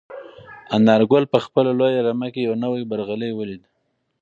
انارګل په خپله لویه رمه کې یو نوی برغلی ولید.